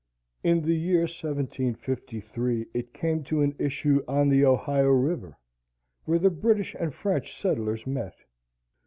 In the year 1753, it came to an issue, on the Ohio river, where the British and French settlers met.